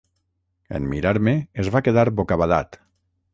En mirar-me, es va quedar bocabadat.